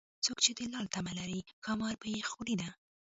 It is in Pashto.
څوک چې د لال تمه لري ښامار به يې خورینه